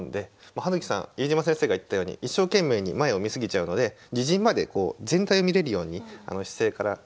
葉月さん飯島先生が言ったように一生懸命に前を見過ぎちゃうので自陣まで全体を見れるように姿勢から変えていくといいかなと思います。